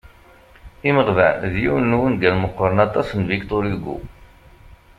"Imeɣban" d yiwen n wungal meqqren aṭas n Victor Hugo.